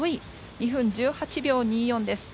２分１８秒２４です。